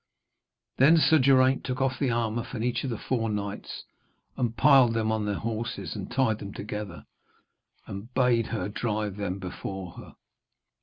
Then Sir Geraint took off the armour from each of the four knights and piled them on their horses, and tied them together, and bade her drive them before her.